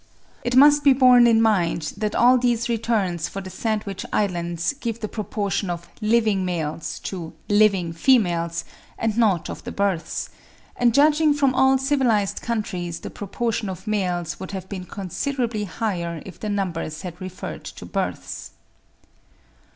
It must be borne in mind that all these returns for the Sandwich Islands give the proportion of living males to living females, and not of the births; and judging from all civilised countries the proportion of males would have been considerably higher if the numbers had referred to births.